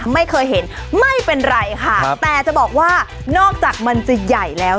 ไม่เคยเห็นไม่เป็นไรค่ะแต่จะบอกว่านอกจากมันจะใหญ่แล้ว